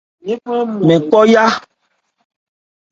Mɛn kɔ́ yá.